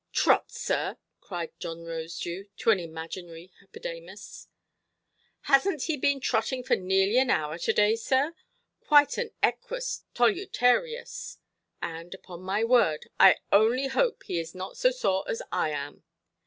"Trot, sir"! cried John Rosedew, to an imaginary Hippodamas, "hasnʼt he been trotting for nearly an hour to–day, sir? Quite an equus tolutarius. And upon my word, I only hope he is not so sore as I am".